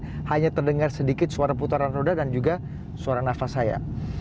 saya hanya terdengar sedikit suara putaran roda dan juga suara nafas saya